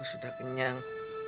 aku sudah kenyang